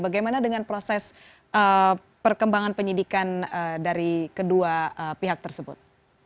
bagaimana dengan proses perkembangan penyidikan dari kedua pihak tersebut